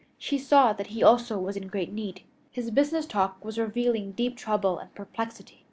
She saw that he also was in great need. His business talk was revealing deep trouble and perplexity.